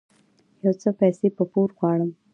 يو څه پيسې په پور غواړم